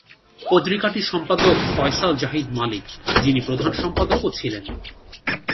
পত্রিকাটির সম্পাদক ফয়সাল জাহিদ মালিক, যিনি প্রধান সম্পাদকও ছিলেন।